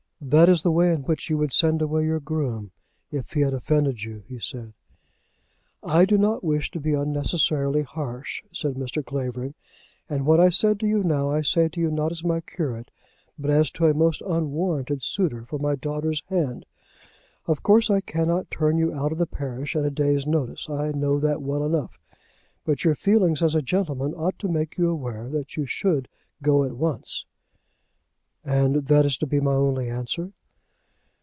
"That is the way in which you would send away your groom, if he had offended you," he said. "I do not wish to be unnecessarily harsh," said Mr. Clavering, "and what I say to you now I say to you not as my curate, but as to a most unwarranted suitor for my daughter's hand. Of course I cannot turn you out of the parish at a day's notice. I know that well enough. But your feelings as a gentleman ought to make you aware that you should go at once." "And that is to be my only answer?"